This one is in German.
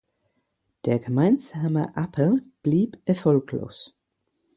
Der gemeinsame Appell blieb erfolglos.